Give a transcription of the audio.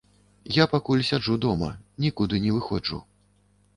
Я пакуль сяджу дома, нікуды не выходжу.